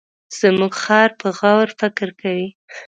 زموږ خر په غور فکر کوي.